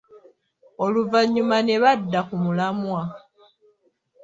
Oluvannyuma ne badda ku mulamwa.